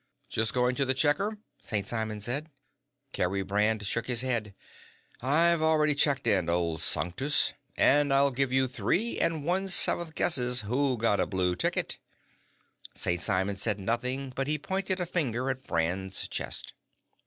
"Just going to the checker?" St. Simon asked. Kerry Brand shook his head. "I've already checked in, old sanctus. And I'll give you three and one seventh guesses who got a blue ticket." St. Simon said nothing, but he pointed a finger at Brand's chest.